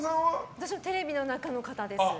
私はテレビの中の方です。